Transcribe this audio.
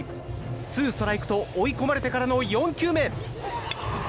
ツーストライクと追い込まれてからの４球目。